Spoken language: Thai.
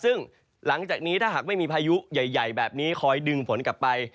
ซึ่งหลังจากนี้ถ้าหากไม่มีพายุใหญ่แบบนี้คอยดึงฝนกลับไป